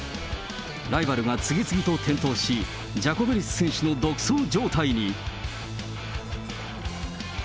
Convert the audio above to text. ライバルが次々と転倒し、ジャコベリス選手の独走状態に。